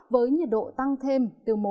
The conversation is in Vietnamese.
với nhiệt độ tăng thêm